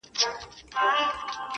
تر تا څو چنده ستا د زني عالمگير ښه دی.